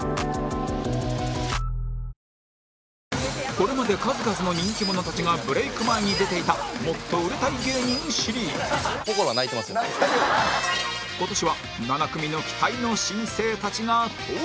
これまで数々の人気者たちがブレイク前に出ていたもっと売れたい芸人シリーズ今年は７組の期待の新星たちが登場